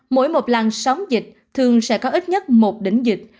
mỗi một làng sóng dịch thường sẽ có ít nhất một đỉnh dịch